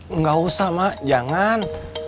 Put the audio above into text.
enggak usah mak jangan